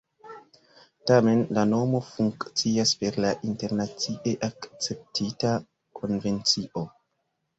Tamen la nomo funkcias per la internacie akceptita konvencio.